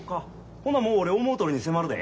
ほなもう俺思うとおりに迫るで。